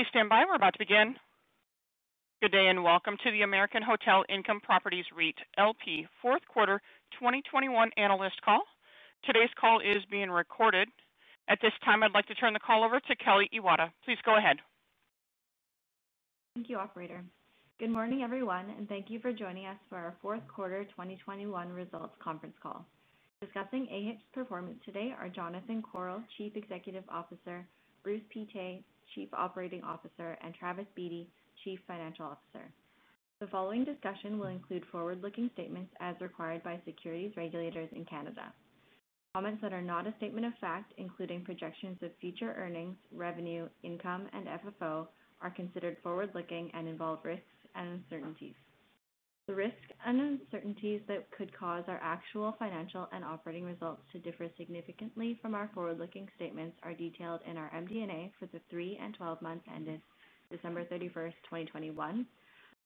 Please stand by. We're about to begin. Good day, and welcome to the American Hotel Income Properties REIT LP Fourth Quarter 2021 Analyst Call. Today's call is being recorded. At this time, I'd like to turn the call over to Kelly Iwata. Please go ahead. Thank you, operator. Good morning, everyone, and thank you for joining us for our Fourth Quarter 2021 Results Conference Call. Discussing AHIP's performance today are Jonathan Korol, Chief Executive Officer, Bruce Pittet, Chief Operating Officer, and Travis Beatty, Chief Financial Officer. The following discussion will include forward-looking statements as required by securities regulators in Canada. Comments that are not a statement of fact, including projections of future earnings, revenue, income, and FFO, are considered forward-looking and involve risks and uncertainties. The risks and uncertainties that could cause our actual financial and operating results to differ significantly from our forward-looking statements are detailed in our MD&A for the three and 12 months ended December 31, 2021,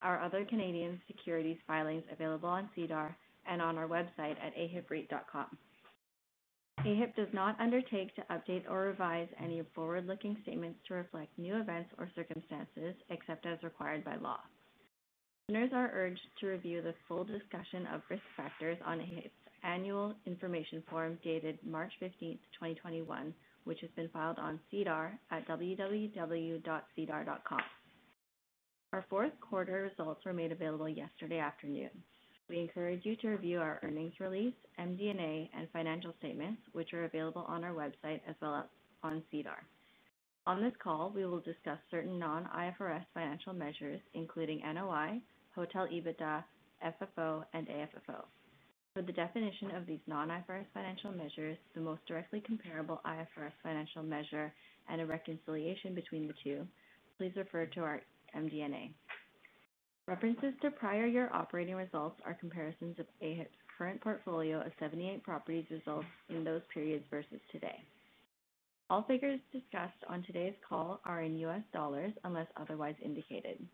our other Canadian securities filings available on SEDAR and on our website at ahipreit.com. AHIP does not undertake to update or revise any forward-looking statements to reflect new events or circumstances except as required by law. Owners are urged to review the full discussion of risk factors on AHIP's annual information form dated March 15, 2021, which has been filed on SEDAR at www.sedar.com. Our fourth quarter results were made available yesterday afternoon. We encourage you to review our earnings release, MD&A, and financial statements, which are available on our website as well as on SEDAR. On this call, we will discuss certain non-IFRS financial measures, including NOI, hotel EBITDA, FFO, and AFFO. For the definition of these non-IFRS financial measures, the most directly comparable IFRS financial measure, and a reconciliation between the two, please refer to our MD&A. References to prior year operating results are comparisons of AHIP's current portfolio of 78 properties results in those periods versus today. All figures discussed on today's call are in U.S. dollars, unless otherwise indicated.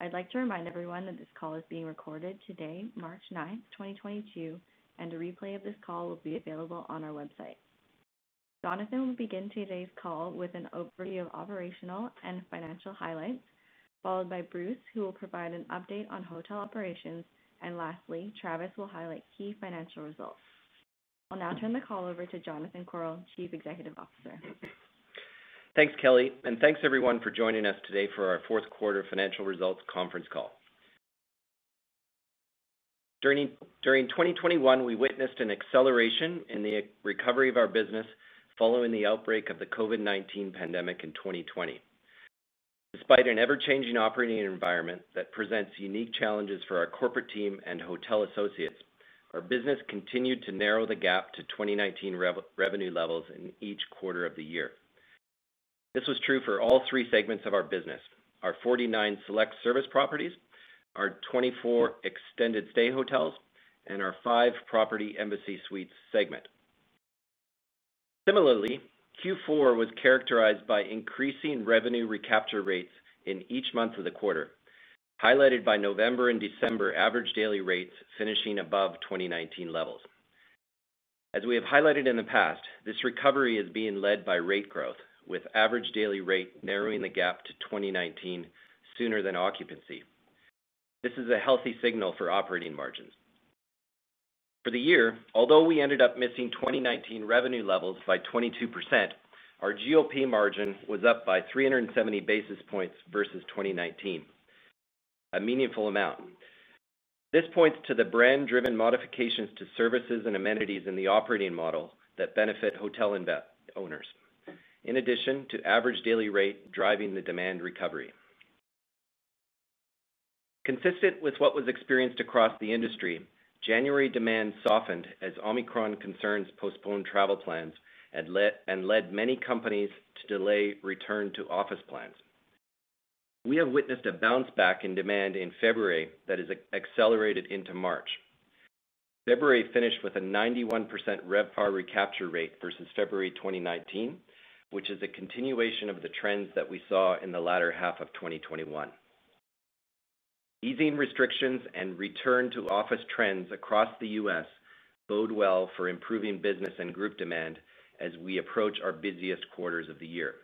I'd like to remind everyone that this call is being recorded today, March 9, 2022, and a replay of this call will be available on our website. Jonathan will begin today's call with an overview of operational and financial highlights, followed by Bruce, who will provide an update on hotel operations, and lastly, Travis will highlight key financial results. I'll now turn the call over to Jonathan Korol, Chief Executive Officer. Thanks, Kelly, and thanks everyone for joining us today for our fourth quarter financial results conference call. During 2021, we witnessed an acceleration in the recovery of our business following the outbreak of the COVID-19 pandemic in 2020. Despite an ever-changing operating environment that presents unique challenges for our corporate team and hotel associates, our business continued to narrow the gap to 2019 revenue levels in each quarter of the year. This was true for all three segments of our business. Our 49 select service properties, our 24 extended stay hotels, and our five property Embassy Suites segment. Similarly, Q4 was characterized by increasing revenue recapture rates in each month of the quarter, highlighted by November and December average daily rates finishing above 2019 levels. As we have highlighted in the past, this recovery is being led by rate growth, with average daily rate narrowing the gap to 2019 sooner than occupancy. This is a healthy signal for operating margins. For the year, although we ended up missing 2019 revenue levels by 22%, our GOP margin was up by 370 basis points versus 2019, a meaningful amount. This points to the brand-driven modifications to services and amenities in the operating model that benefit hotel owners, in addition to average daily rate driving the demand recovery. Consistent with what was experienced across the industry, January demand softened as Omicron concerns postponed travel plans and led many companies to delay return to office plans. We have witnessed a bounce back in demand in February that has accelerated into March. February finished with a 91% RevPAR recapture rate versus February 2019, which is a continuation of the trends that we saw in the latter half of 2021. Easing restrictions and return to office trends across the U.S. bode well for improving business and group demand as we approach our busiest quarters of the year.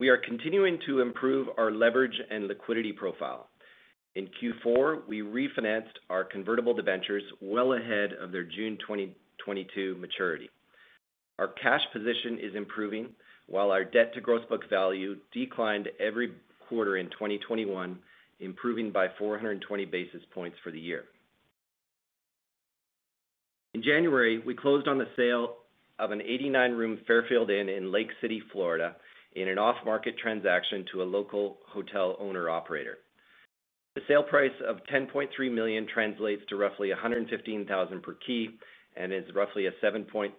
We are continuing to improve our leverage and liquidity profile. In Q4, we refinanced our convertible debentures well ahead of their June 2022 maturity. Our cash position is improving, while our debt to gross book value declined every quarter in 2021, improving by 420 basis points for the year. In January, we closed on the sale of an 89-room Fairfield Inn in Lake City, Florida, in an off-market transaction to a local hotel owner operator. The sale price of $10.3 million translates to roughly $115,000 per key and is roughly a 7.6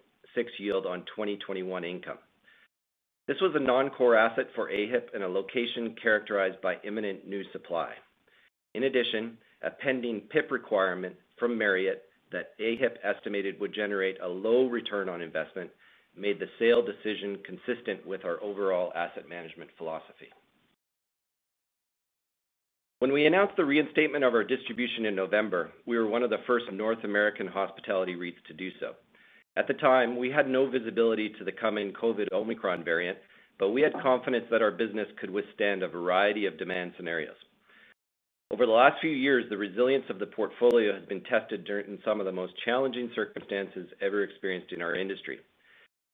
yield on 2021 income. This was a non-core asset for AHIP in a location characterized by imminent new supply. In addition, a pending PIP requirement from Marriott that AHIP estimated would generate a low return on investment made the sale decision consistent with our overall asset management philosophy. When we announced the reinstatement of our distribution in November, we were one of the first North American hospitality REITs to do so. At the time, we had no visibility to the coming COVID Omicron variant, but we had confidence that our business could withstand a variety of demand scenarios. Over the last few years, the resilience of the portfolio has been tested during some of the most challenging circumstances ever experienced in our industry.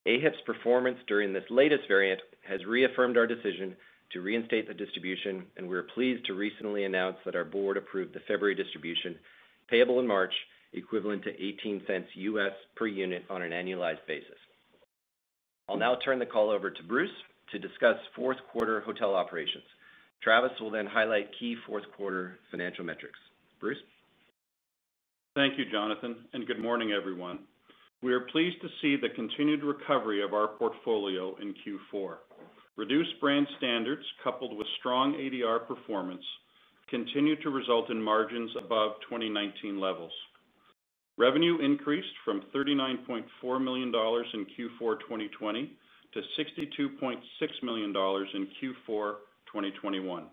AHIP's performance during this latest variant has reaffirmed our decision to reinstate the distribution, and we are pleased to recently announce that our board approved the February distribution, payable in March, equivalent to $0.18 per unit on an annualized basis. I'll now turn the call over to Bruce to discuss fourth-quarter hotel operations. Travis will then highlight key fourth-quarter financial metrics. Bruce. Thank you, Jonathan, and good morning, everyone. We are pleased to see the continued recovery of our portfolio in Q4. Reduced brand standards, coupled with strong ADR performance, continued to result in margins above 2019 levels. Revenue increased from $39.4 million in Q4 2020 to $62.6 million in Q4 2021.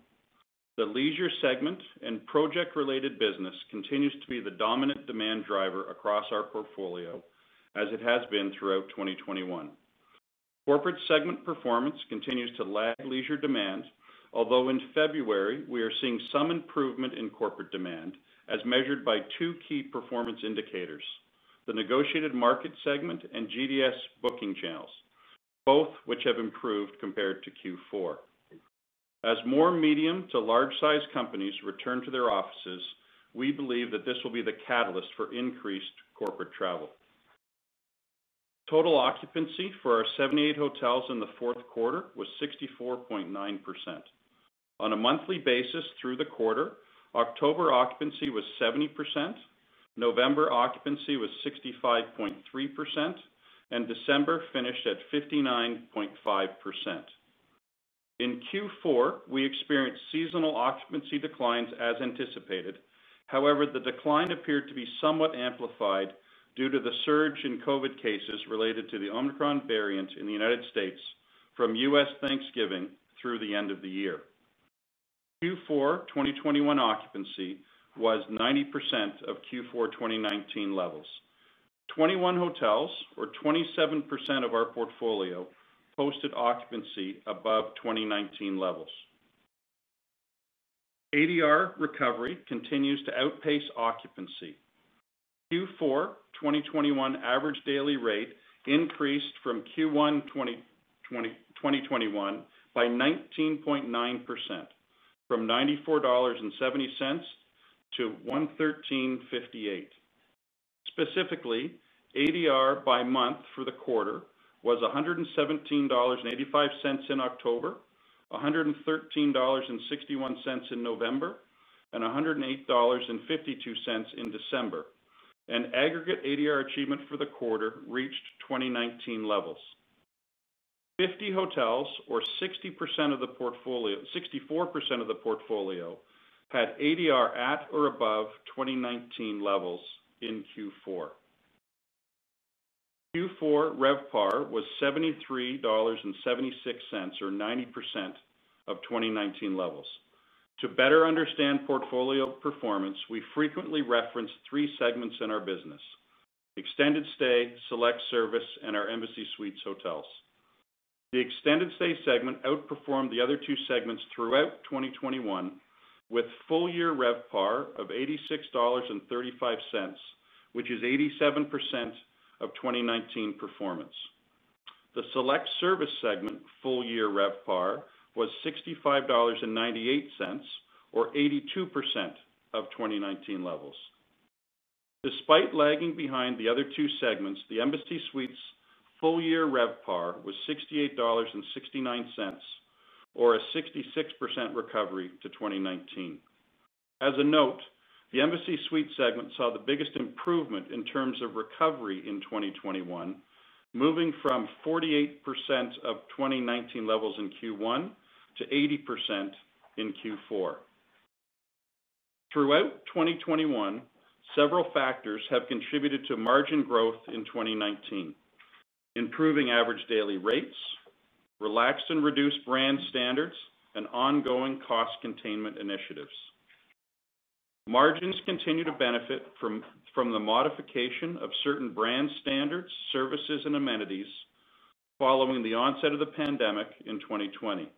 The leisure segment and project-related business continues to be the dominant demand driver across our portfolio as it has been throughout 2021. Corporate segment performance continues to lag leisure demand. Although in February, we are seeing some improvement in corporate demand as measured by two key performance indicators, the negotiated market segment and GDS booking channels, both which have improved compared to Q4. As more medium to large-size companies return to their offices, we believe that this will be the catalyst for increased corporate travel. Total occupancy for our 78 hotels in the fourth quarter was 64.9%. On a monthly basis through the quarter, October occupancy was 70%, November occupancy was 65.3%, and December finished at 59.5%. In Q4, we experienced seasonal occupancy declines as anticipated. However, the decline appeared to be somewhat amplified due to the surge in COVID-19 cases related to the Omicron variant in the United States from U.S. Thanksgiving through the end of the year. Q4 2021 occupancy was 90% of Q4 2019 levels. 21 hotels, or 27% of our portfolio, posted occupancy above 2019 levels. ADR recovery continues to outpace occupancy. Q4 2021 average daily rate increased from Q1 2021 by 19.9% from $94.70-$113.58. Specifically, ADR by month for the quarter was $117.85 in October, $113.61 in November, and $108.52 in December. An aggregate ADR achievement for the quarter reached 2019 levels. 50 hotels or 60% of the portfolio, 64% of the portfolio had ADR at or above 2019 levels in Q4. Q4 RevPAR was $73.76, or 90% of 2019 levels. To better understand portfolio performance, we frequently reference three segments in our business: extended stay, select service, and our Embassy Suites hotels. The extended stay segment outperformed the other two segments throughout 2021, with full-year RevPAR of $86.35, which is 87% of 2019 performance. The select service segment full-year RevPAR was $65.98 or 82% of 2019 levels. Despite lagging behind the other two segments, the Embassy Suites full-year RevPAR was $68.69, or a 66% recovery to 2019. As a note, the Embassy Suites segment saw the biggest improvement in terms of recovery in 2021, moving from 48% of 2019 levels in Q1 to 80% in Q4. Throughout 2021, several factors have contributed to margin growth in 2019, improving average daily rates, relaxed and reduced brand standards, and ongoing cost containment initiatives. Margins continue to benefit from the modification of certain brand standards, services, and amenities following the onset of the pandemic in 2020.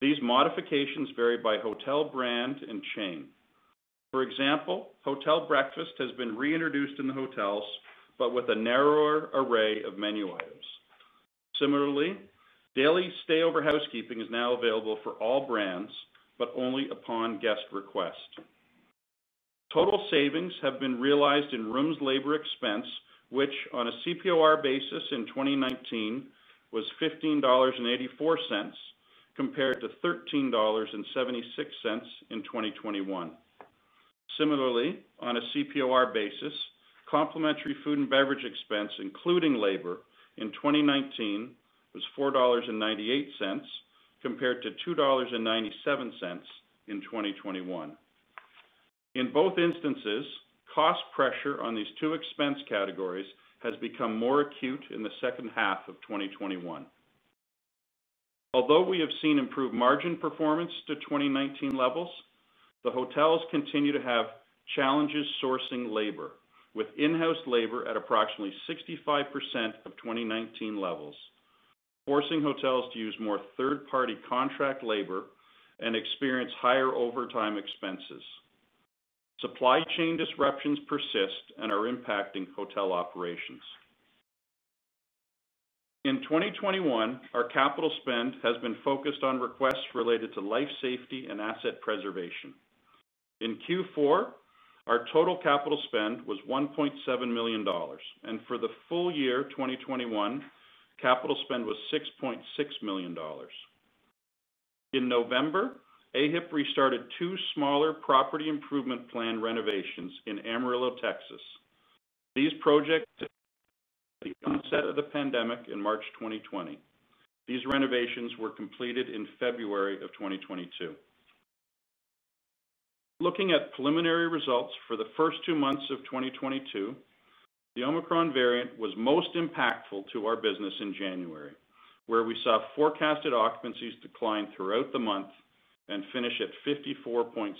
These modifications vary by hotel brand and chain. For example, hotel breakfast has been reintroduced in the hotels, but with a narrower array of menu items. Similarly, daily stay over housekeeping is now available for all brands, but only upon guest request. Total savings have been realized in rooms labor expense, which on a CPOR basis in 2019 was $15.84 compared to $13.76 in 2021. Similarly, on a CPOR basis, complimentary food and beverage expense, including labor in 2019, was $4.98 compared to $2.97 in 2021. In both instances, cost pressure on these two expense categories has become more acute in the second half of 2021. Although we have seen improved margin performance to 2019 levels, the hotels continue to have challenges sourcing labor, with in-house labor at approximately 65% of 2019 levels, forcing hotels to use more third-party contract labor and experience higher overtime expenses. Supply chain disruptions persist and are impacting hotel operations. In 2021, our capital spend has been focused on requests related to life safety and asset preservation. In Q4, our total capital spend was $1.7 million. For the full year 2021, capital spend was $6.6 million. In November, AHIP restarted two smaller property improvement plan renovations in Amarillo, Texas. These projects were paused at the onset of the pandemic in March 2020. These renovations were completed in February 2022. Looking at preliminary results for the first two months of 2022, the Omicron variant was most impactful to our business in January, where we saw forecasted occupancies decline throughout the month and finish at 54.7%.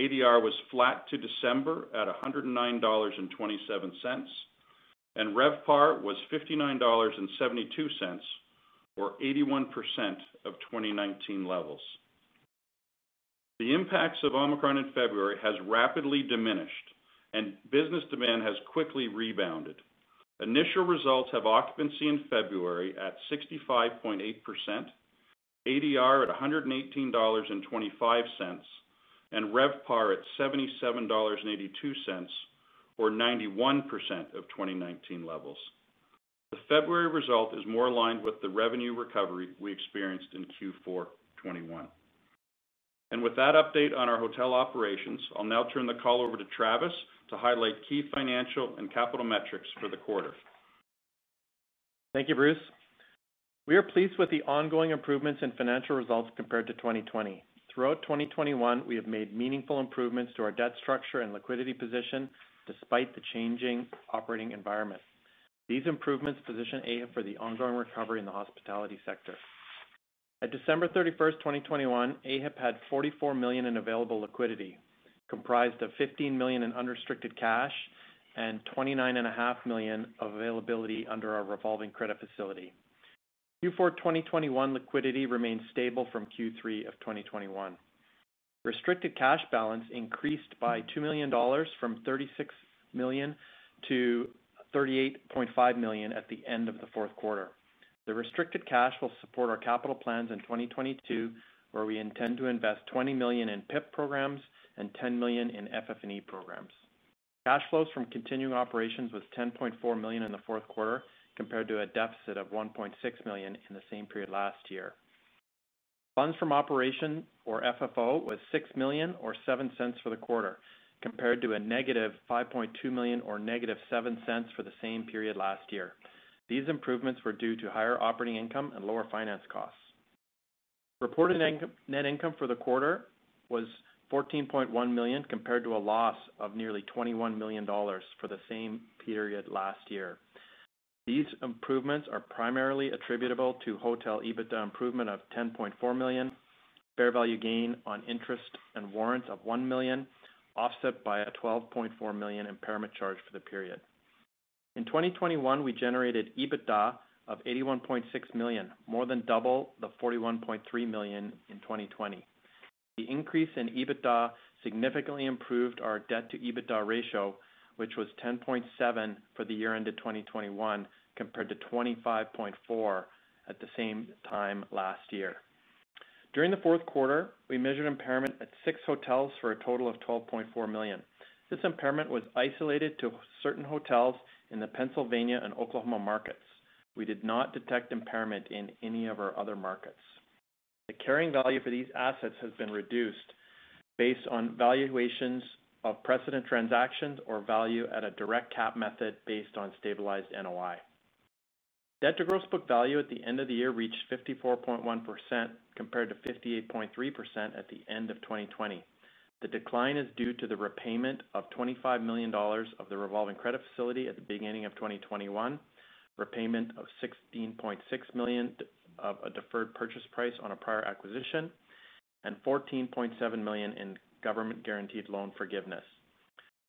ADR was flat to December at $109.27, and RevPAR was $59.72, or 81% of 2019 levels. The impacts of Omicron in February has rapidly diminished and business demand has quickly rebounded. Initial results have occupancy in February at 65.8%, ADR at $118.25, and RevPAR at $77.82, or 91% of 2019 levels. The February result is more aligned with the revenue recovery we experienced in Q4 2021. With that update on our hotel operations, I'll now turn the call over to Travis to highlight key financial and capital metrics for the quarter. Thank you, Bruce. We are pleased with the ongoing improvements in financial results compared to 2020. Throughout 2021, we have made meaningful improvements to our debt structure and liquidity position despite the changing operating environment. These improvements position AHIP for the ongoing recovery in the hospitality sector. At December 31, 2021, AHIP had $44 million in available liquidity, comprised of $15 million in unrestricted cash and $29.5 million of availability under our revolving credit facility. Q4 2021 liquidity remains stable from Q3 2021. Restricted cash balance increased by $2 million from $36 million-$38.5 million at the end of the fourth quarter. The restricted cash will support our capital plans in 2022, where we intend to invest $20 million in PIP programs and $10 million in FF&E programs. Cash flows from continuing operations was $10.4 million in the fourth quarter, compared to a deficit of $1.6 million in the same period last year. Funds from operations or FFO was $6 million or 7 cents for the quarter, compared to a -$5.2 million or -7 cents for the same period last year. These improvements were due to higher operating income and lower finance costs. Reported net income for the quarter was $14.1 million, compared to a loss of nearly $21 million for the same period last year. These improvements are primarily attributable to hotel EBITDA improvement of $10.4 million, fair value gain on investments and warrants of $1 million, offset by a $12.4 million impairment charge for the period. In 2021, we generated EBITDA of $81.6 million, more than double the $41.3 million in 2020. The increase in EBITDA significantly improved our debt to EBITDA ratio, which was 10.7 for the year end of 2021, compared to 25.4 at the same time last year. During the fourth quarter, we measured impairment at six hotels for a total of $12.4 million. This impairment was isolated to certain hotels in the Pennsylvania and Oklahoma markets. We did not detect impairment in any of our other markets. The carrying value for these assets has been reduced based on valuations of precedent transactions or value at a direct cap method based on stabilized NOI. Debt to gross book value at the end of the year reached 54.1% compared to 58.3% at the end of 2020. The decline is due to the repayment of $25 million of the revolving credit facility at the beginning of 2021, repayment of $16.6 million of a deferred purchase price on a prior acquisition, and $14.7 million in government guaranteed loan forgiveness.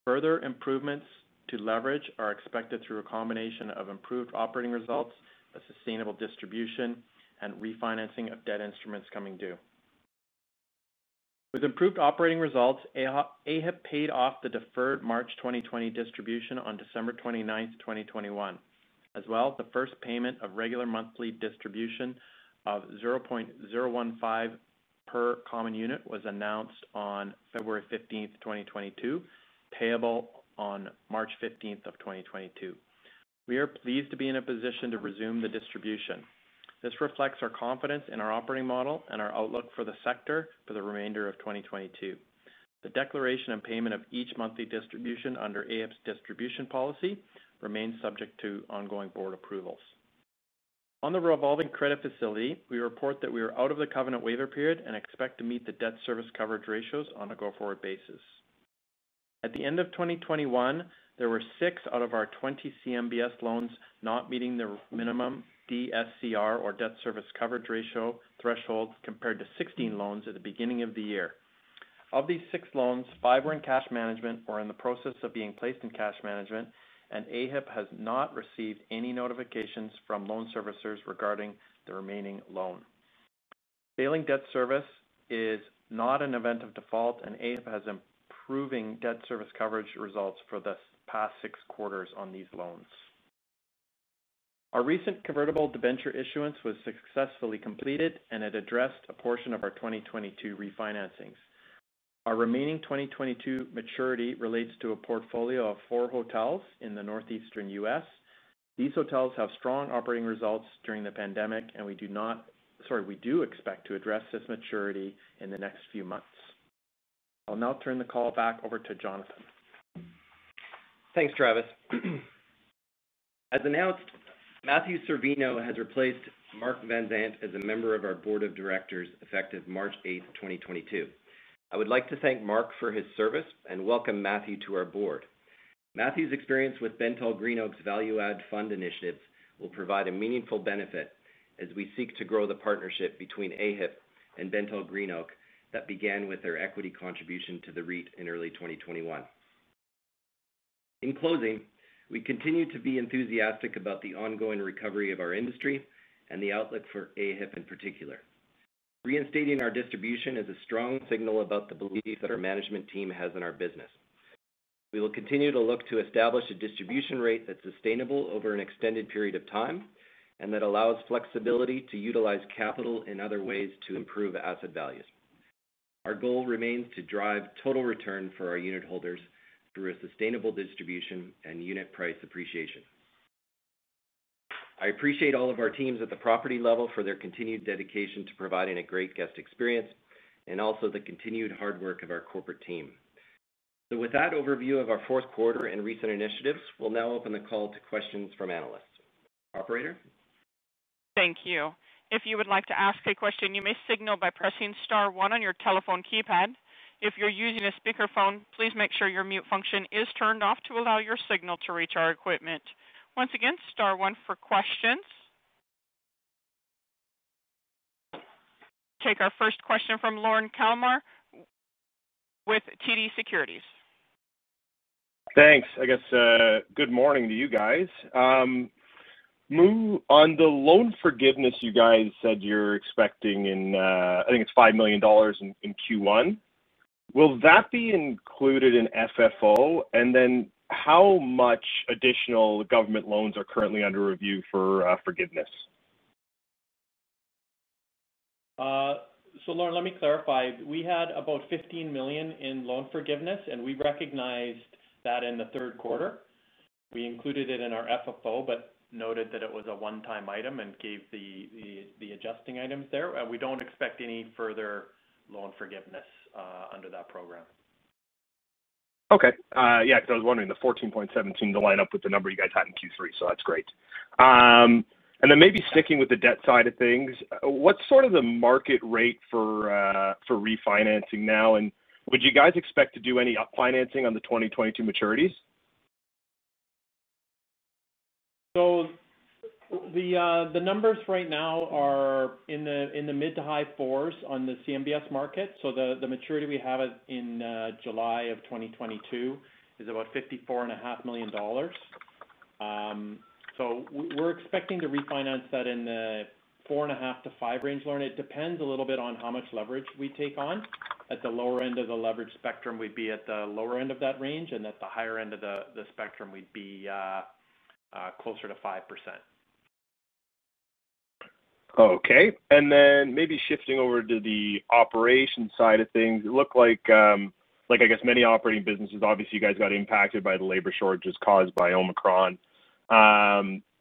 Further improvements to leverage are expected through a combination of improved operating results, a sustainable distribution, and refinancing of debt instruments coming due. With improved operating results, AHIP paid off the deferred March 2020 distribution on December 29, 2021. As well, the first payment of regular monthly distribution of 0.015 per common unit was announced on February 15th, 2022, payable on March 15th, 2022. We are pleased to be in a position to resume the distribution. This reflects our confidence in our operating model and our outlook for the sector for the remainder of 2022. The declaration and payment of each monthly distribution under AHIP's distribution policy remains subject to ongoing board approvals. On the revolving credit facility, we report that we are out of the covenant waiver period and expect to meet the debt service coverage ratios on a go-forward basis. At the end of 2021, there were 6 out of our 20 CMBS loans not meeting their minimum DSCR or Debt Service Coverage Ratio thresholds compared to 16 loans at the beginning of the year. Of these six loans, five were in cash management or in the process of being placed in cash management, and AHIP has not received any notifications from loan servicers regarding the remaining loan. Failing debt service is not an event of default, and AHIP has improving debt service coverage results for the past six quarters on these loans. Our recent convertible debenture issuance was successfully completed, and it addressed a portion of our 2022 refinancings. Our remaining 2022 maturity relates to a portfolio of four hotels in the northeastern U.S. These hotels have strong operating results during the pandemic, and we do expect to address this maturity in the next few months. I'll now turn the call back over to Jonathan. Thanks, Travis. As announced, Matthew Cervino has replaced Mark Van Zandt as a member of our board of directors effective March 8, 2022. I would like to thank Mark for his service and welcome Matthew to our board. Matthew's experience with BentallGreenOak's value add fund initiatives will provide a meaningful benefit as we seek to grow the partnership between AHIP and BentallGreenOak that began with their equity contribution to the REIT in early 2021. In closing, we continue to be enthusiastic about the ongoing recovery of our industry and the outlook for AHIP in particular. Reinstating our distribution is a strong signal about the belief that our management team has in our business. We will continue to look to establish a distribution rate that's sustainable over an extended period of time and that allows flexibility to utilize capital in other ways to improve asset values. Our goal remains to drive total return for our unit holders through a sustainable distribution and unit price appreciation. I appreciate all of our teams at the property level for their continued dedication to providing a great guest experience and also the continued hard work of our corporate team. With that overview of our fourth quarter and recent initiatives, we'll now open the call to questions from analysts. Operator? Thank you. If you would like to ask a question, you may signal by pressing star one on your telephone keypad. If you're using a speakerphone, please make sure your mute function is turned off to allow your signal to reach our equipment. Once again, star one for questions. We'll take our first question from Lorne Kalmar with TD Securities. Thanks. I guess good morning to you guys. So, on the loan forgiveness you guys said you're expecting in I think it's $5 million in Q1, will that be included in FFO? How much additional government loans are currently under review for forgiveness? Lorne, let me clarify. We had about $15 million in loan forgiveness, and we recognized that in the third quarter. We included it in our FFO, but noted that it was a one-time item and gave the adjusting items there. We don't expect any further loan forgiveness under that program. Okay. Yeah, 'cause I was wondering, the 14.17 to line up with the number you guys had in Q3, so that's great. Maybe sticking with the debt side of things, what's sort of the market rate for refinancing now? Would you guys expect to do any up financing on the 2022 maturities? The numbers right now are in the mid- to high-4s on the CMBS market. The maturity we have is in July of 2022, is about $54.5 million. We're expecting to refinance that in the 4.5%-5% range, Lorne. It depends a little bit on how much leverage we take on. At the lower end of the leverage spectrum, we'd be at the lower end of that range, and at the higher end of the spectrum, we'd be closer to 5%. Okay. Maybe shifting over to the operations side of things, it looked like I guess many operating businesses, obviously, you guys got impacted by the labor shortages caused by Omicron.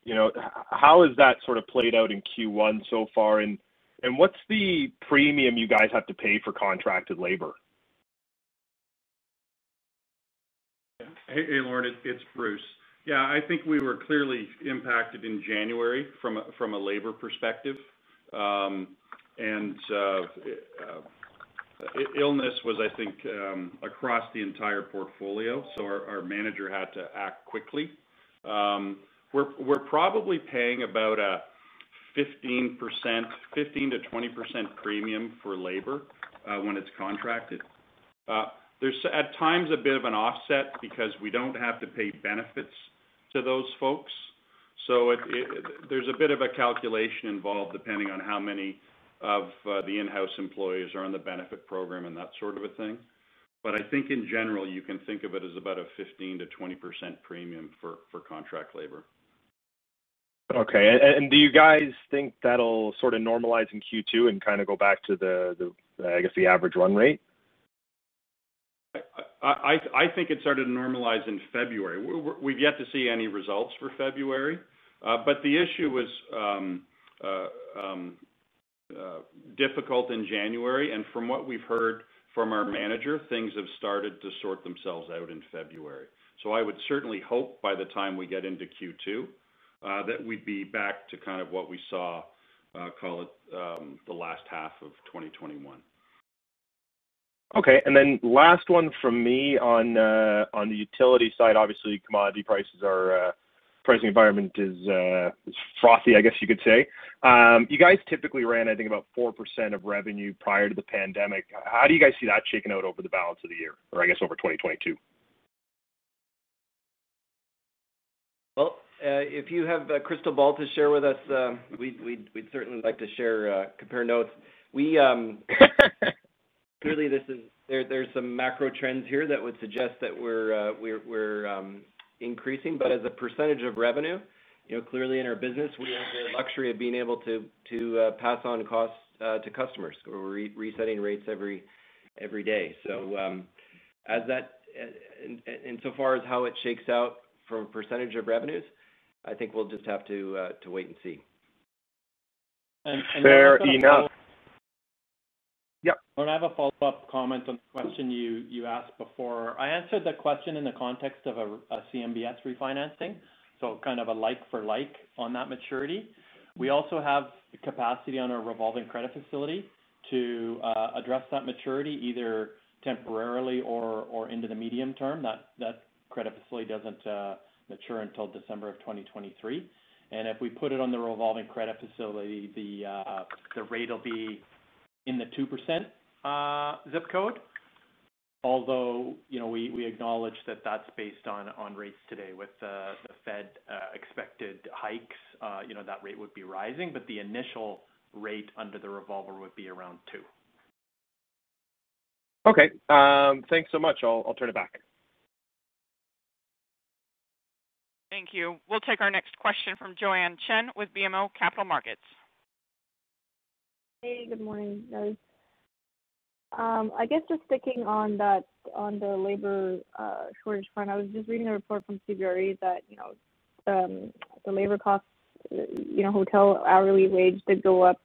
You know, how has that sort of played out in Q1 so far, and what's the premium you guys have to pay for contracted labor? Hey, Lorne, it's Bruce. Yeah. I think we were clearly impacted in January from a labor perspective. Illness was, I think, across the entire portfolio, so our manager had to act quickly. We're probably paying about a 15%-20% premium for labor when it's contracted. There's at times a bit of an offset because we don't have to pay benefits to those folks. There's a bit of a calculation involved depending on how many of the in-house employees are on the benefit program and that sort of a thing. I think in general, you can think of it as about a 15%-20% premium for contract labor. Okay. Do you guys think that'll sort of normalize in Q two and kind of go back to the, I guess, the average run rate? I think it started to normalize in February. We've yet to see any results for February. The issue was. Difficult in January, and from what we've heard from our manager, things have started to sort themselves out in February. I would certainly hope by the time we get into Q2, that we'd be back to kind of what we saw, call it, the last half of 2021. Okay. Last one from me on the utility side. Obviously, the pricing environment is frothy, I guess you could say. You guys typically ran, I think, about 4% of revenue prior to the pandemic. How do you guys see that shaking out over the balance of the year or I guess over 2022? Well, if you have a crystal ball to share with us, we'd certainly like to share, compare notes. Clearly this is. There's some macro trends here that would suggest that we're increasing. As a percentage of revenue, you know, clearly in our business, we have the luxury of being able to pass on costs to customers. We're resetting rates every day. Insofar as how it shakes out for percentage of revenues, I think we'll just have to wait and see. Just a follow- Fair enough. Yeah. Well, I have a follow-up comment on the question you asked before. I answered the question in the context of a CMBS refinancing, so kind of a like for like on that maturity. We also have the capacity on our revolving credit facility to address that maturity either temporarily or into the medium-term. That credit facility doesn't mature until December 2023. If we put it on the revolving credit facility, the rate will be in the 2% ZIP code. Although, you know, we acknowledge that that's based on rates today. With the Fed expected hikes, you know, that rate would be rising. The initial rate under the revolver would be around two. Okay. Thanks so much. I'll turn it back. Thank you. We'll take our next question from Joanne Chen with BMO Capital Markets. Hey, good morning, guys. I guess just sticking on that, on the labor shortage front, I was just reading a report from CBRE that, you know, the labor costs, you know, hotel hourly wage did go up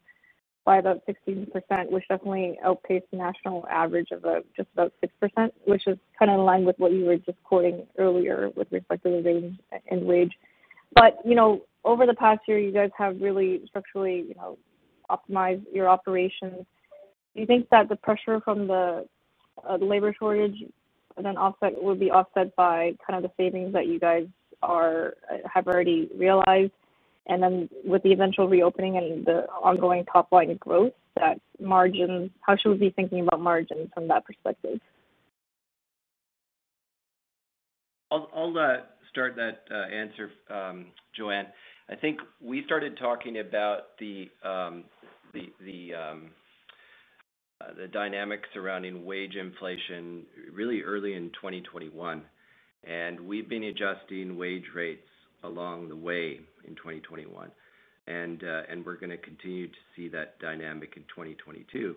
by about 16%, which definitely outpaced the national average of, just about 6%, which is kind of in line with what you were just quoting earlier with respect to the range and wage. You know, over the past year, you guys have really structurally, you know, optimized your operations. Do you think that the pressure from the labor shortage as an offset would be offset by kind of the savings that you guys have already realized? Then with the eventual re-opening and the ongoing top-line growth, that margin, how should we be thinking about margin from that perspective? I'll start that answer, Joanne. I think we started talking about the dynamics surrounding wage inflation really early in 2021, and we've been adjusting wage rates along the way in 2021. We're gonna continue to see that dynamic in 2022.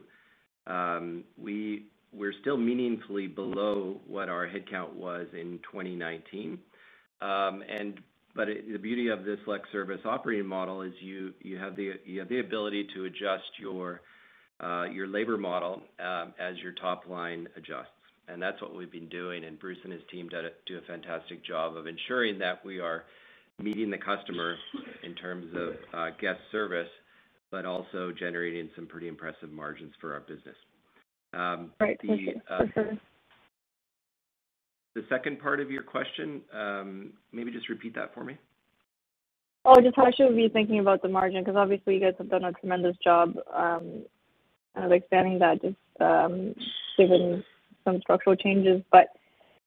We're still meaningfully below what our headcount was in 2019. But the beauty of this flex service operating model is you have the ability to adjust your labor model as your top line adjusts. That's what we've been doing, and Bruce and his team do a fantastic job of ensuring that we are meeting the customer in terms of guest service, but also generating some pretty impressive margins for our business. The Right. Thank you. That's it. The second part of your question, maybe just repeat that for me. Oh, just how should we be thinking about the margin? Because obviously you guys have done a tremendous job of expanding that, just, given some structural changes.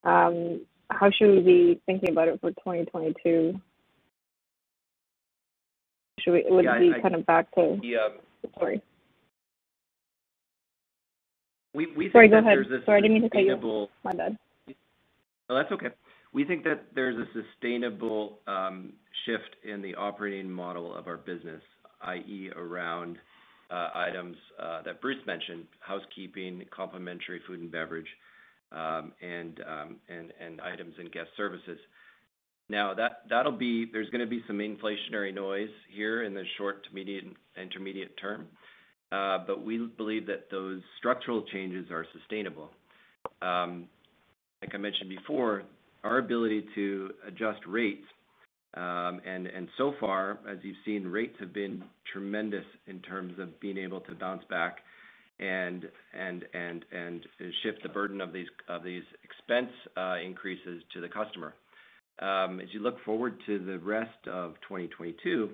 How should we be thinking about it for 2022? Would it be kind of back to- Yeah. Sorry. We think that there's a sustainable. Sorry, go ahead. Sorry, I didn't mean to cut you. My bad. No, that's okay. We think that there's a sustainable shift in the operating model of our business, i.e., around items that Bruce mentioned, housekeeping, complimentary food and beverage, and items and guest services. Now, that'll be some inflationary noise here in the short to medium, intermediate-term. But we believe that those structural changes are sustainable. Like I mentioned before, our ability to adjust rates, and so far, as you've seen, rates have been tremendous in terms of being able to bounce back and shift the burden of these expense increases to the customer. As you look forward to the rest of 2022,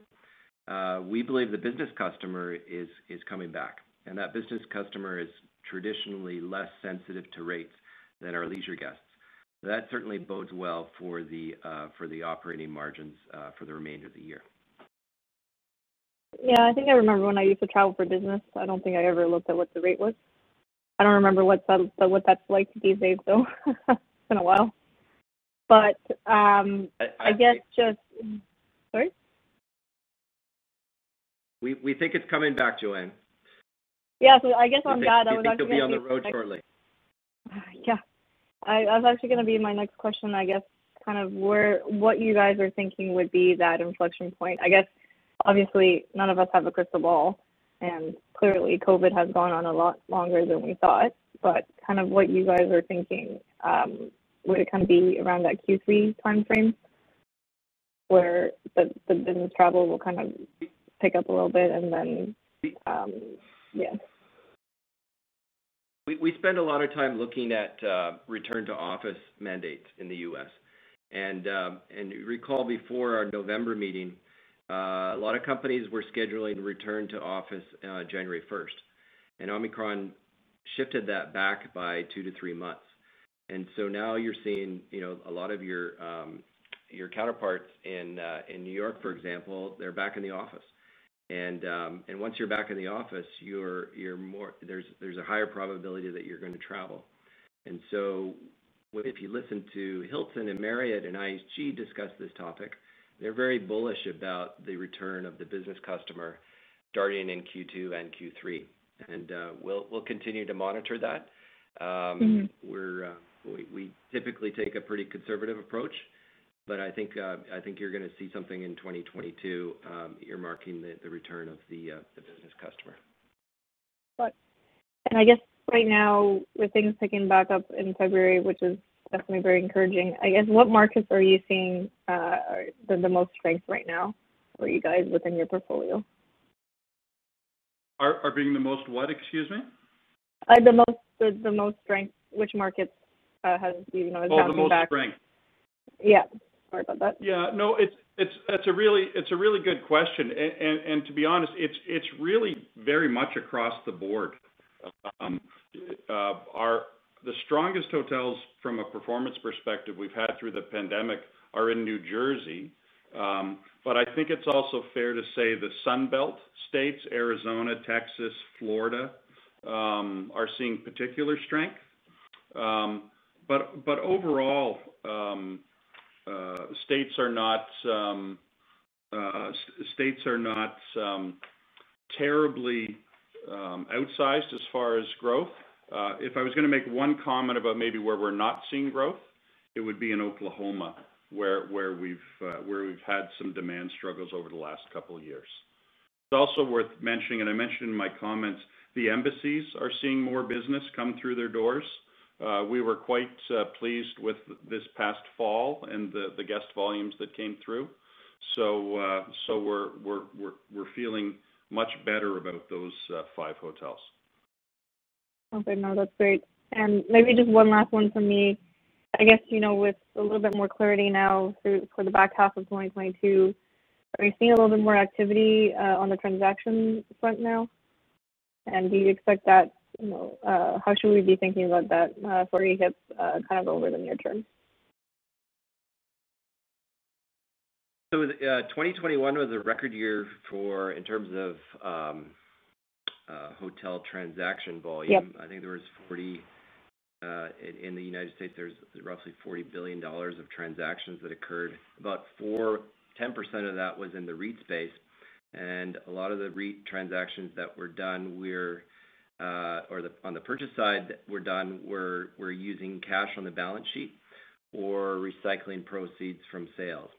we believe the business customer is coming back, and that business customer is traditionally less sensitive to rates than our leisure guests. That certainly bodes well for the operating margins for the remainder of the year. Yeah. I think I remember when I used to travel for business. I don't think I ever looked at what the rate was. I don't remember what that's like these days, though. It's been a while. I guess just- I- Sorry. We think it's coming back, Joanne. Yeah. I guess on that, I was looking at. We think you'll be on the road shortly. Yeah. That was actually gonna be my next question, I guess kind of what you guys are thinking would be that inflection point. I guess, obviously, none of us have a crystal ball, and clearly COVID has gone on a lot longer than we thought. Kind of what you guys are thinking, would it kind of be around that Q3 timeframe where the business travel will kind of pick up a little bit and then. Yeah. We spend a lot of time looking at return to office mandates in the U.S. You recall before our November meeting a lot of companies were scheduling return to office January first. Omicron shifted that back by 2-3 months. Now you're seeing, you know, a lot of your counterparts in New York, for example, they're back in the office. Once you're back in the office, there's a higher probability that you're gonna travel. If you listen to Hilton and Marriott and IHG discuss this topic, they're very bullish about the return of the business customer starting in Q2 and Q3. We'll continue to monitor that. Mm-hmm. We typically take a pretty conservative approach, but I think you're gonna see something in 2022 earmarking the return of the business customer. I guess right now, with things picking back up in February, which is definitely very encouraging. I guess, what markets are you seeing are the most strength right now for you guys within your portfolio? Are being the most what? Excuse me. The most strength which markets has, you know, is bouncing back. Oh, the most strength. Yeah. Sorry about that. Yeah. No, that's a really good question. To be honest, it's really very much across the board. The strongest hotels from a performance perspective we've had through the pandemic are in New Jersey. I think it's also fair to say the Sun Belt states, Arizona, Texas, Florida, are seeing particular strength. Overall, states are not terribly outsized as far as growth. If I was gonna make one comment about maybe where we're not seeing growth, it would be in Oklahoma, where we've had some demand struggles over the last couple of years. It's also worth mentioning, and I mentioned in my comments, the embassies are seeing more business come through their doors. We were quite pleased with this past fall and the guest volumes that came through. We're feeling much better about those five hotels. Okay. No, that's great. Maybe just one last one from me. I guess, you know, with a little bit more clarity now through for the back half of 2022, are you seeing a little bit more activity on the transaction front now? Do you expect that, you know? How should we be thinking about that for AHIP kind of over the near-term? 2021 was a record year in terms of hotel transaction volume. Yep. I think in the United States, there's roughly $40 billion of transactions that occurred. About 10% of that was in the REIT space, and a lot of the REIT transactions that were done, or on the purchase side that were done, were using cash on the balance sheet or recycling proceeds from sales.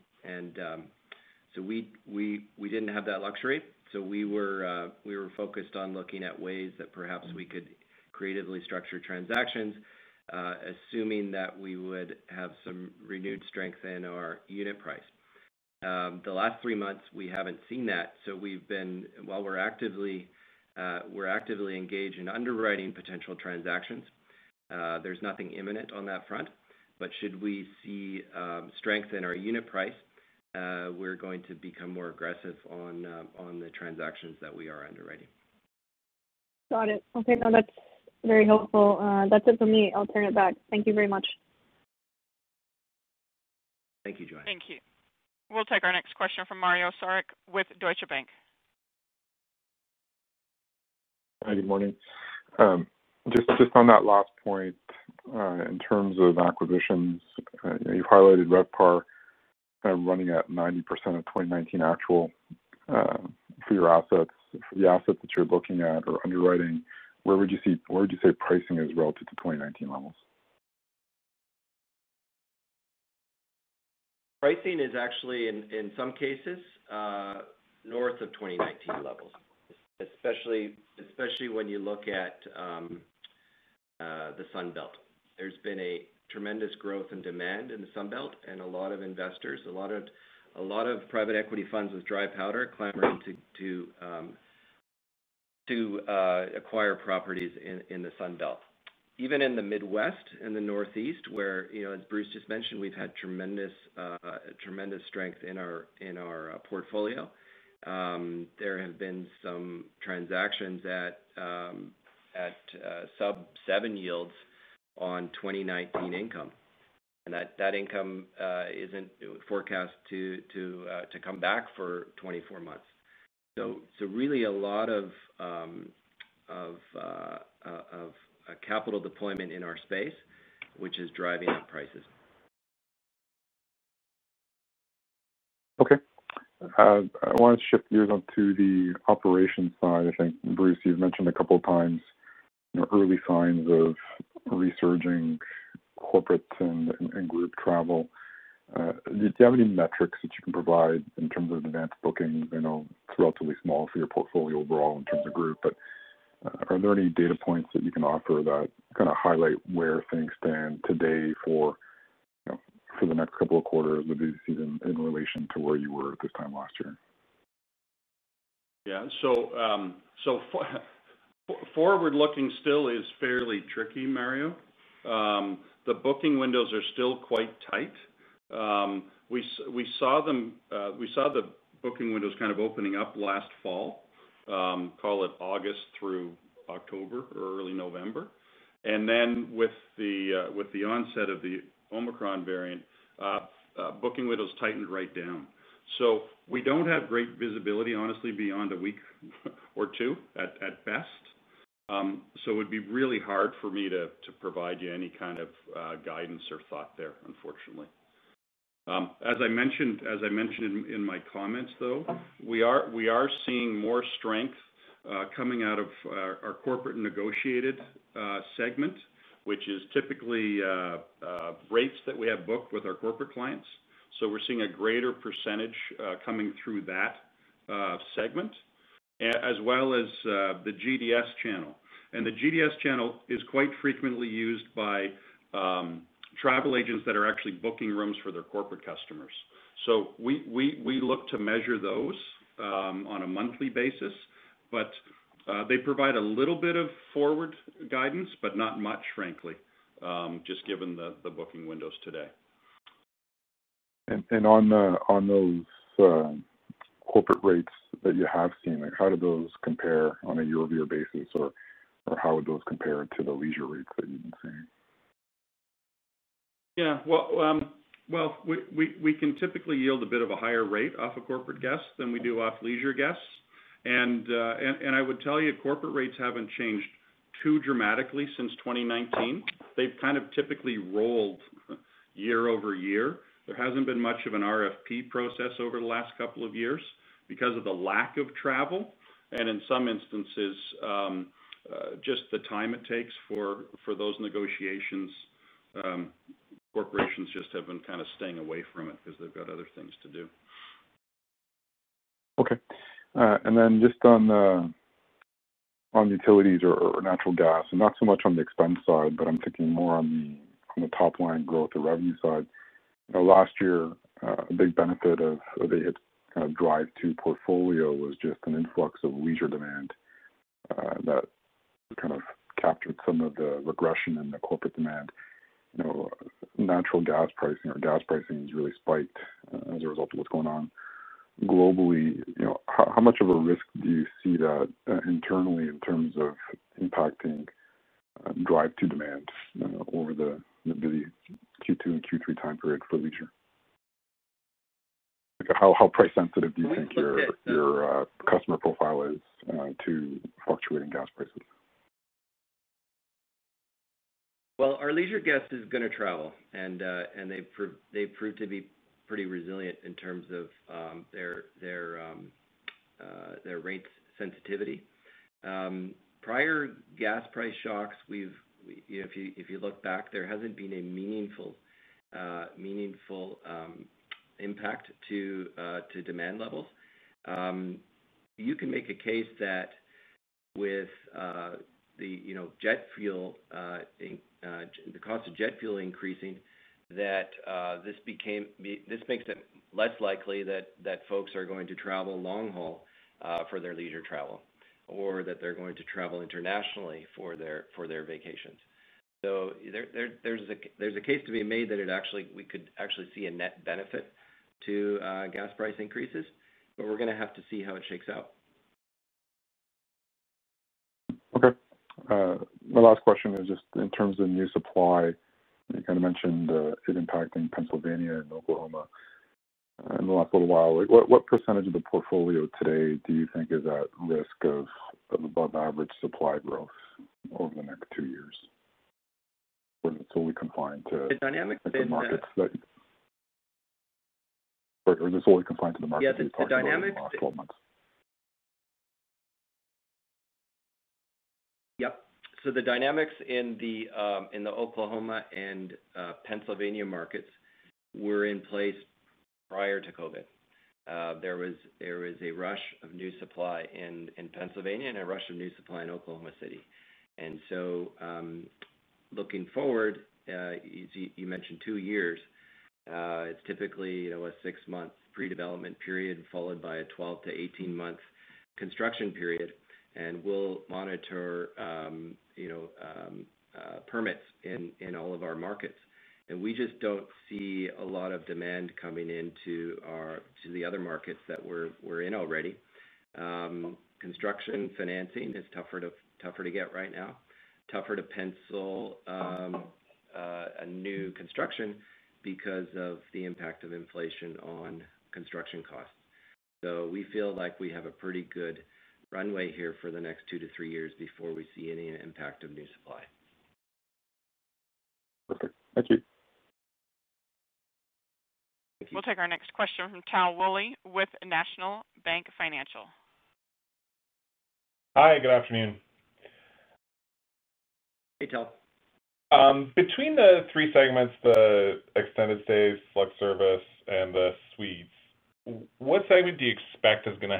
We didn't have that luxury. We were focused on looking at ways that perhaps we could creatively structure transactions, assuming that we would have some renewed strength in our unit price. The last three months, we haven't seen that, so we've been, while we're actively engaged in underwriting potential transactions, there's nothing imminent on that front. Should we see strength in our unit price, we're going to become more aggressive on the transactions that we are underwriting. Got it. Okay. No, that's very helpful. That's it for me. I'll turn it back. Thank you very much. Thank you, Joanna. Thank you. We'll take our next question from Mario Saric with Deutsche Bank. Hi. Good morning. Just on that last point, in terms of acquisitions, you've highlighted RevPAR kind of running at 90% of 2019 actual, for your assets. For the assets that you're looking at or underwriting, where would you say pricing is relative to 2019 levels? Pricing is actually in some cases north of 2019 levels, especially when you look at the Sun Belt. There's been a tremendous growth in demand in the Sun Belt, and a lot of investors, a lot of private equity funds with dry powder are clamoring to acquire properties in the Sun Belt. Even in the Midwest and the Northeast, where, you know, as Bruce just mentioned, we've had tremendous strength in our portfolio, there have been some transactions at sub-seven yields on 2019 income. That income isn't forecast to come back for 24 months. Really a lot of capital deployment in our space, which is driving up prices. I want to shift gears on to the operations side. I think, Bruce, you've mentioned a couple of times early signs of resurging corporate and group travel. Do you have any metrics that you can provide in terms of advance bookings? You know, it's relatively small for your portfolio overall in terms of group. Are there any data points that you can offer that kind of highlight where things stand today for, you know, for the next couple of quarters of the busy season in relation to where you were at this time last year? Forward looking still is fairly tricky, Mario. The booking windows are still quite tight. We saw the booking windows kind of opening up last fall, call it August through October or early November. With the onset of the Omicron variant, booking windows tightened right down. We don't have great visibility, honestly, beyond a week or two at best. It would be really hard for me to provide you any kind of guidance or thought there, unfortunately. As I mentioned in my comments, though, we are seeing more strength coming out of our corporate negotiated segment, which is typically rates that we have booked with our corporate clients. We're seeing a greater percentage coming through that segment as well as the GDS channel. The GDS channel is quite frequently used by travel agents that are actually booking rooms for their corporate customers. We look to measure those on a monthly basis, but they provide a little bit of forward guidance, but not much, frankly, just given the booking windows today. On those corporate rates that you have seen, like how do those compare on a year-over-year basis? How would those compare to the leisure rates that you've been seeing? Yeah. Well, we can typically yield a bit of a higher rate off of corporate guests than we do off leisure guests. I would tell you, corporate rates haven't changed too dramatically since 2019. They've kind of typically rolled year-over-year. There hasn't been much of an RFP process over the last couple of years because of the lack of travel and in some instances, just the time it takes for those negotiations. Corporations just have been kind of staying away from it because they've got other things to do. Okay. Just on utilities or natural gas, and not so much on the expense side, but I'm thinking more on the top line growth or revenue side. You know, last year, a big benefit of AHIP's drive-to portfolio was just an influx of leisure demand that kind of captured some of the recession in the corporate demand. You know, natural gas pricing or gas pricing has really spiked as a result of what's going on globally. You know, how much of a risk do you see that internally in terms of impacting drive-to demand over the busy Q2 and Q3 time period for leisure? How price sensitive do you think your customer profile is to fluctuating gas prices? Well, our leisure guest is going to travel, and they've proved to be pretty resilient in terms of their rate sensitivity. Prior gas price shocks, if you look back, there hasn't been a meaningful impact to demand levels. You can make a case that with the, you know, cost of jet fuel increasing, this makes it less likely that folks are going to travel long haul for their leisure travel or that they're going to travel internationally for their vacations. There's a case to be made that we could actually see a net benefit to gas price increases, but we're going to have to see how it shakes out. Okay. My last question is just in terms of new supply. You kind of mentioned it impacting Pennsylvania and Oklahoma in the last little while. What percentage of the portfolio today do you think is at risk of above average supply growth over the next two years? Or it's only confined to- The dynamics in the Is this only confined to the markets that you talked about in the last twelve months? The dynamics in the Oklahoma and Pennsylvania markets were in place prior to COVID. There was a rush of new supply in Pennsylvania and a rush of new supply in Oklahoma City. Looking forward, you mentioned two years. It's typically, you know, a six month pre-development period followed by a 12-18 month construction period. We'll monitor, you know, permits in all of our markets. We just don't see a lot of demand coming into the other markets that we're in already. Construction financing is tougher to get right now, tougher to pencil a new construction because of the impact of inflation on construction costs. We feel like we have a pretty good runway here for the next 2-3 years before we see any impact of new supply. Thank you. We'll take our next question from Tal Woolley with National Bank Financial. Hi, good afternoon. Hey, Tal. Between the three segments, the extended-stay, select-service, and the suites, what segment do you expect is gonna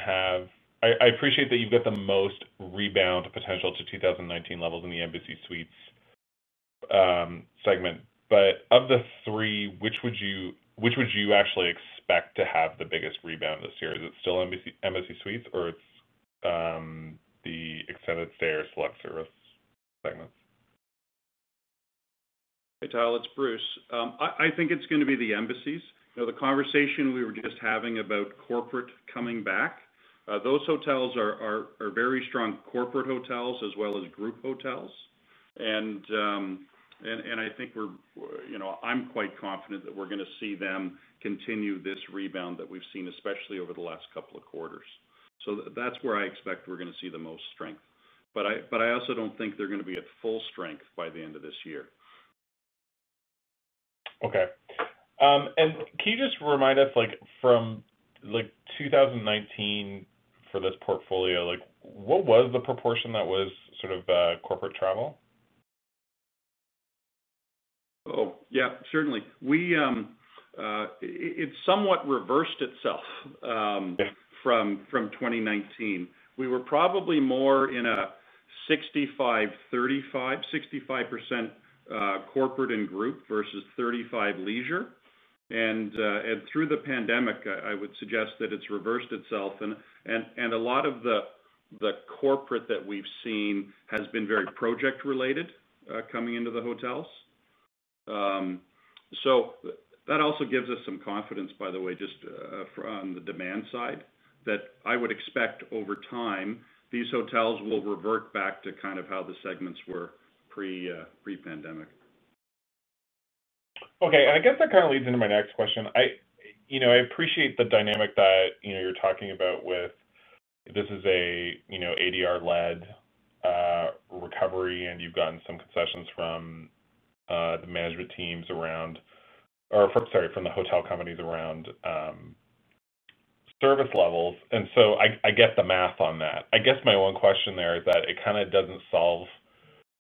have. I appreciate that you've got the most rebound potential to 2019 levels in the Embassy Suites segment. Of the three, which would you actually expect to have the biggest rebound this year? Is it still Embassy Suites, or is it the extended-stay or select-service segments? Hey, Tal, it's Bruce. I think it's gonna be the Embassy Suites. You know, the conversation we were just having about corporate coming back, those hotels are very strong corporate hotels as well as group hotels. I think we're, you know, I'm quite confident that we're gonna see them continue this rebound that we've seen, especially over the last couple of quarters. That's where I expect we're gonna see the most strength. I also don't think they're gonna be at full strength by the end of this year. Okay. Can you just remind us, like, from, like, 2019 for this portfolio, like, what was the proportion that was sort of, corporate travel? Oh, yeah, certainly. It's somewhat reversed itself from 2019. We were probably more in a 65%-35%, 65% corporate and group versus 35% leisure. A lot of the corporate that we've seen has been very project related coming into the hotels. That also gives us some confidence, by the way, just from the demand side, that I would expect over time, these hotels will revert back to kind of how the segments were pre-pandemic. Okay. I guess that kind of leads into my next question. You know, I appreciate the dynamic that, you know, you're talking about with this is a, you know, ADR-led recovery, and you've gotten some concessions from the management teams around or, sorry, from the hotel companies around service levels. I get the math on that. I guess my one question there is that it kinda doesn't solve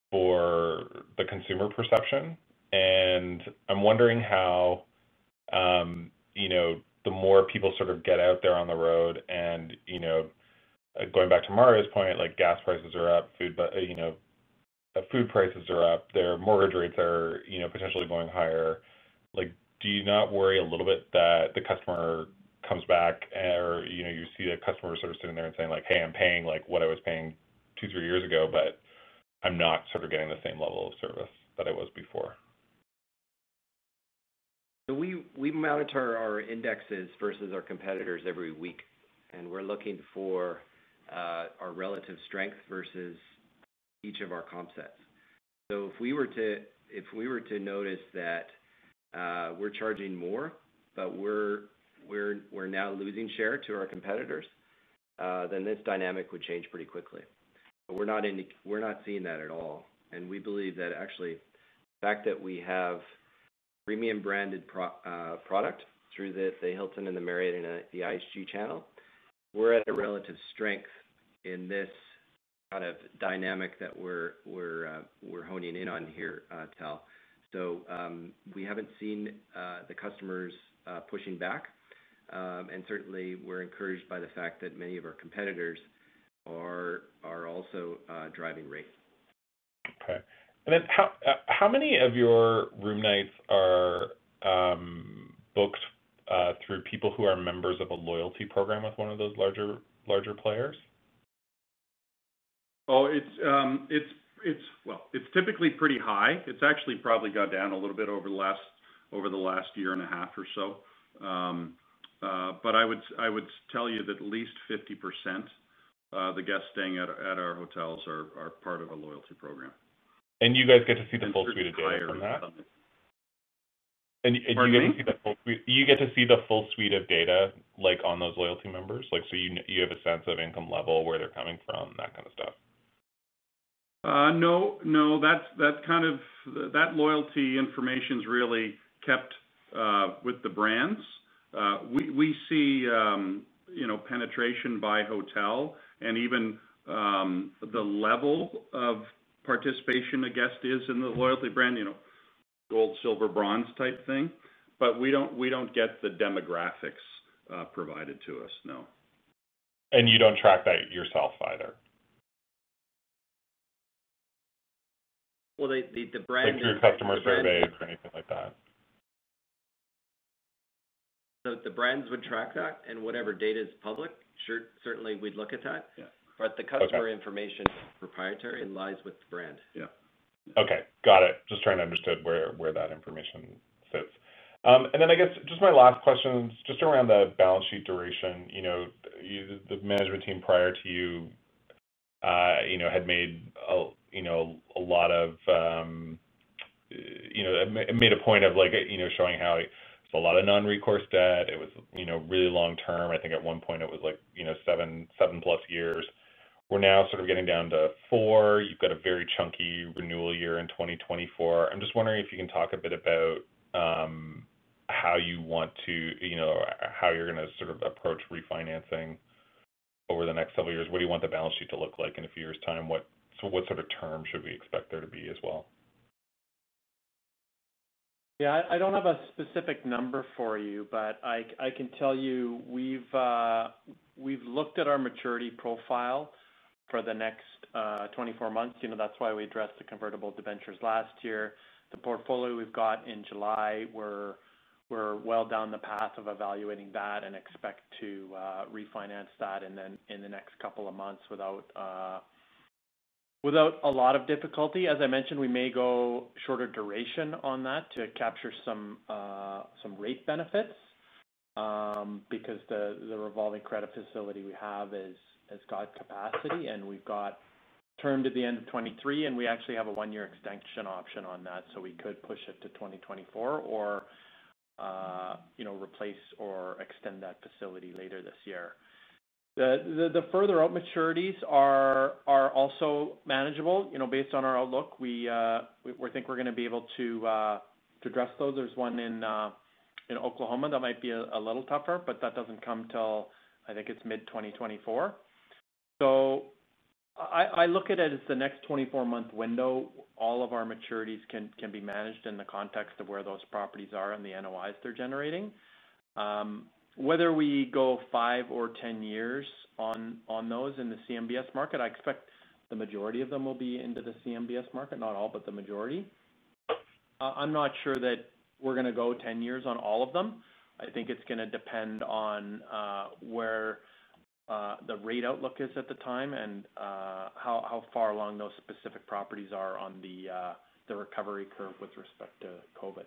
for the consumer perception. I'm wondering how, you know, the more people sort of get out there on the road and, you know, going back to Mario's point, like gas prices are up, food you know food prices are up, their mortgage rates are, you know, potentially going higher. Like, do you not worry a little bit that the customer comes back or, you know, you see a customer sort of sitting there and saying like, "Hey, I'm paying like what I was paying two, three years ago, but I'm not sort of getting the same level of service that I was before. We monitor our indexes versus our competitors every week, and we're looking for our relative strength versus each of our comp sets. If we were to notice that we're charging more, but we're now losing share to our competitors, then this dynamic would change pretty quickly. We're not seeing that at all. We believe that actually the fact that we have premium branded product through the Hilton and the Marriott and the IHG channel, we're at a relative strength in this kind of dynamic that we're honing in on here, Tal. We haven't seen the customers pushing back. Certainly we're encouraged by the fact that many of our competitors are also driving rates. Okay. How many of your room nights are booked through people who are members of a loyalty program with one of those larger players? Well, it's typically pretty high. It's actually probably gone down a little bit over the last year and a half or so. I would tell you that at least 50% of the guests staying at our hotels are part of a loyalty program. You guys get to see the full suite of data from that? Certainly higher in some Do you get to see the full suite? Pardon me. Do you get to see the full suite of data, like, on those loyalty members? Like, so you have a sense of income level, where they're coming from, that kind of stuff. No. That's kind of that loyalty information is really kept with the brands. We see you know penetration by hotel and even the level of participation a guest is in the loyalty brand, you know, gold, silver, bronze type thing. But we don't get the demographics provided to us. No. You don't track that yourself either? Well, the brand. Like, do your customer surveys or anything like that. The brands would track that, and whatever data is public, certainly we'd look at that. Yeah. The customer information. Okay is proprietary and lies with the brand. Yeah. Okay. Got it. Just trying to understand where that information sits. I guess just my last question is just around the balance sheet duration. You know, the management team prior to you know, had made a point of like, you know, showing how it was a lot of non-recourse debt. It was, you know, really long-term. I think at one point it was like, you know, 7+ years. We're now sort of getting down to four. You've got a very chunky renewal year in 2024. I'm just wondering if you can talk a bit about how you want to, you know, approach refinancing over the next several years. What do you want the balance sheet to look like in a few years' time? What sort of term should we expect there to be as well? Yeah. I don't have a specific number for you, but I can tell you we've looked at our maturity profile for the next 24 months. You know, that's why we addressed the convertible debentures last year. The portfolio we've got in July, we're well down the path of evaluating that and expect to refinance that and then in the next couple of months without a lot of difficulty. As I mentioned, we may go shorter duration on that to capture some rate benefits, because the revolving credit facility we have has got capacity, and we've got term to the end of 2023, and we actually have a one-year extension option on that. We could push it to 2024 or, you know, replace or extend that facility later this year. The further out maturities are also manageable. You know, based on our outlook, we think we're gonna be able to address those. There's one in Oklahoma that might be a little tougher, but that doesn't come till I think it's mid-2024. I look at it as the next 24-month window. All of our maturities can be managed in the context of where those properties are and the NOIs they're generating. Whether we go five or 10 years on those in the CMBS market, I expect the majority of them will be into the CMBS market. Not all, but the majority. I'm not sure that we're gonna go 10 years on all of them. I think it's gonna depend on where the rate outlook is at the time and how far along those specific properties are on the recovery curve with respect to COVID.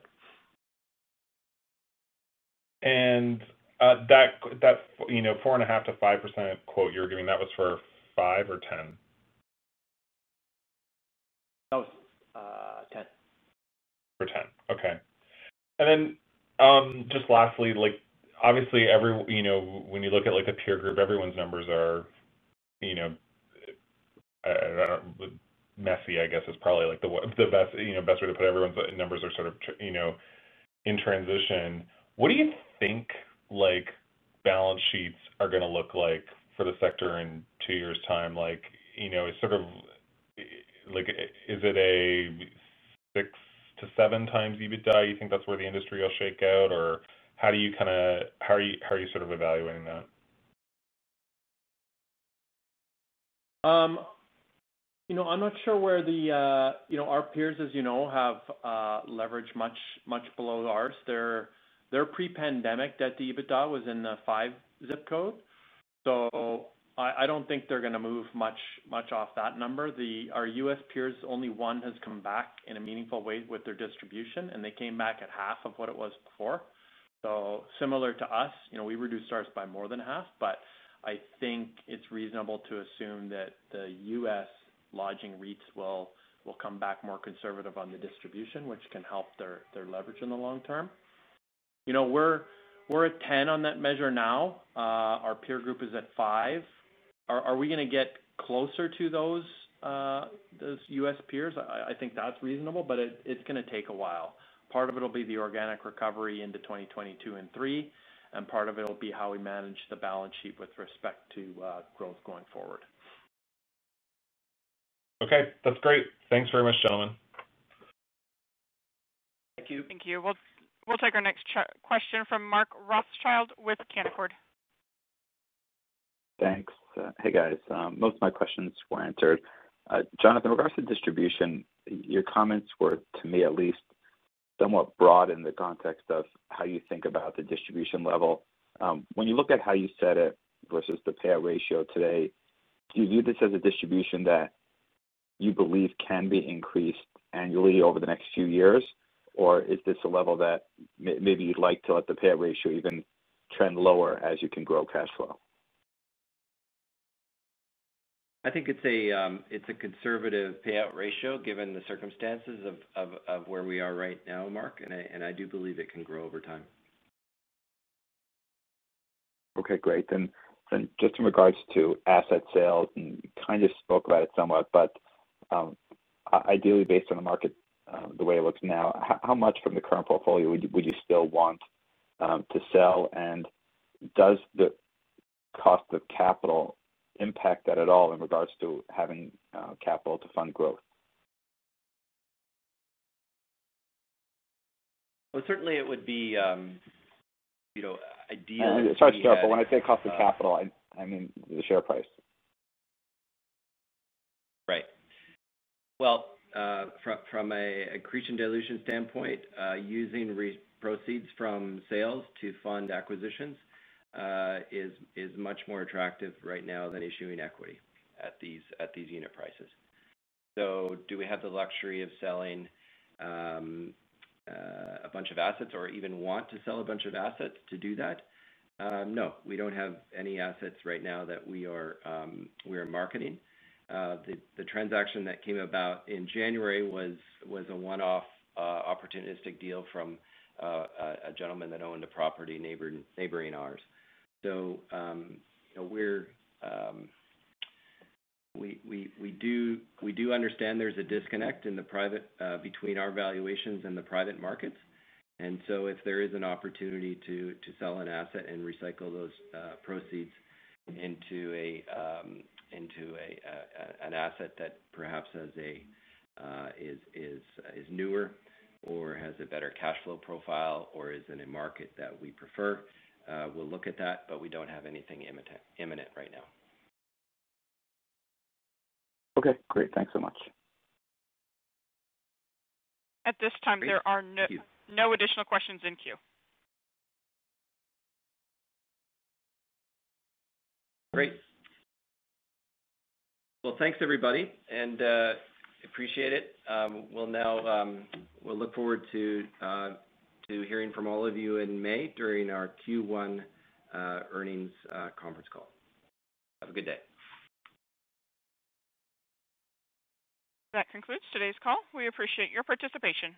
That, you know, 4.5%-5% quote you were giving, that was for five or ten? That was ten. For ten. Okay. Just lastly, like, obviously everyone, you know, when you look at like a peer group, everyone's numbers are, you know, messy, I guess, is probably like the best way to put everyone's numbers are sort of in transition. What do you think like balance sheets are gonna look like for the sector in two years' time? Like, you know, sort of like is it a 6x-7x EBITDA? You think that's where the industry will shake out? Or how do you kinda. How are you sort of evaluating that? You know, I'm not sure where, you know, our peers, as you know, have leverage much below ours. Their pre-pandemic debt to EBITDA was in the five zip code. I don't think they're gonna move much off that number. Our U.S. peers, only one has come back in a meaningful way with their distribution, and they came back at half of what it was before. Similar to us, you know, we reduced ours by more than half, but I think it's reasonable to assume that the U.S. lodging REITs will come back more conservative on the distribution, which can help their leverage in the long-term. You know, we're at ten on that measure now. Our peer group is at five. Are we gonna get closer to those U.S. peers? I think that's reasonable, but it's gonna take a while. Part of it'll be the organic recovery into 2022 and 2023, and part of it'll be how we manage the balance sheet with respect to growth going forward. Okay. That's great. Thanks very much, gentlemen. Thank you. Thank you. We'll take our next question from Mark Rothschild with Canaccord. Thanks. Hey, guys. Most of my questions were answered. Jonathan, with regards to distribution, your comments were, to me at least, somewhat broad in the context of how you think about the distribution level. When you look at how you set it versus the payout ratio today, do you view this as a distribution that you believe can be increased annually over the next few years? Or is this a level that maybe you'd like to let the payout ratio even trend lower as you can grow cash flow? I think it's a conservative payout ratio given the circumstances of where we are right now, Mark, and I do believe it can grow over time. Okay, great. Just in regards to asset sales, and you kind of spoke about it somewhat, but ideally, based on the market, the way it looks now, how much from the current portfolio would you still want to sell? And does the cost of capital impact that at all in regards to having capital to fund growth? Well, certainly it would be, you know, ideally. Sorry to interrupt. When I say cost of capital, I mean the share price. Well, from an accretion-dilution standpoint, using proceeds from sales to fund acquisitions is much more attractive right now than issuing equity at these unit prices. Do we have the luxury of selling a bunch of assets or even want to sell a bunch of assets to do that? No. We don't have any assets right now that we are marketing. The transaction that came about in January was a one-off opportunistic deal from a gentleman that owned a property neighboring ours. You know, we do understand there's a disconnect between our valuations and the private markets. If there is an opportunity to sell an asset and recycle those proceeds into an asset that perhaps is newer or has a better cash flow profile or is in a market that we prefer, we'll look at that, but we don't have anything imminent right now. Okay, great. Thanks so much. At this time, there are no. Great. Thank you No additional questions in queue. Great. Well, thanks, everybody, and appreciate it. We'll now look forward to hearing from all of you in May during our Q1 earnings conference call. Have a good day. That concludes today's call. We appreciate your participation.